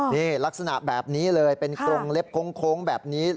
นี่ลักษณะแบบนี้เลยเป็นกรงเล็บโค้งแบบนี้